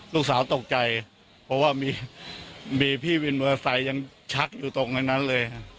ลูกสาวตกใจเพราะว่ามีพี่วินมอเตอร์ไซค์ยังชักอยู่ตรงในนั้นเลย